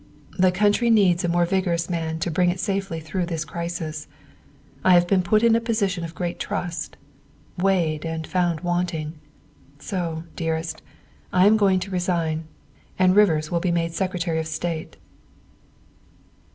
The country needs a more vigorous man to bring it safely through this crisis. I have been put in a position of great trust, weighed, and found wanting. So, dear est, I am going to resign, and Rivers will be made Secretary of State."